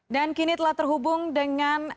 dan kini telah terhubung dengan